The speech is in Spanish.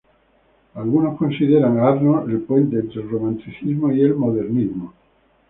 Algunos consideran a Arnold el puente entre el Romanticismo y el Modernismo.